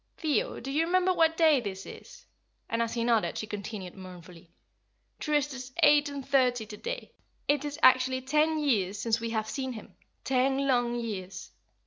"Theo, do you remember what day this is?" And as he nodded, she continued, mournfully, "Trist is eight and thirty to day; it is actually ten years since we have seen him ten long years."